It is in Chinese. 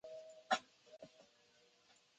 基于传输控制协议的应用层协议。